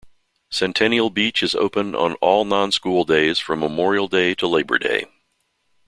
Centennial beach is Open on all non-school days from Memorial Day to Labor Day.